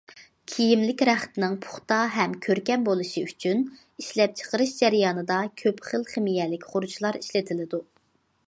كىيىملىك رەختنىڭ پۇختا ھەم كۆركەم بولۇشى ئۈچۈن ئىشلەپچىقىرىش جەريانىدا كۆپ خىل خىمىيەلىك خۇرۇجلار ئىشلىتىلىدۇ.